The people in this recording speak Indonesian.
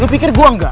lo pikir gue enggak